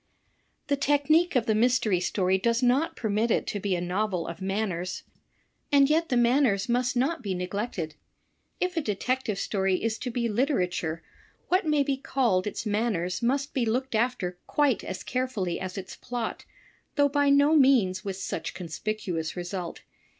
The technique of the Mystery Story does not permit it to be a novel of manners, and yet the manners must not be > n c 60 THE TECHNIQUE OF THE MYSTERY STORY neglected. If a Detective Story is to be literature, what may be called its manners must be looked after quite as carefully as its plot, though by no means with such con spicuous result.